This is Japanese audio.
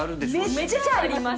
めっちゃあります！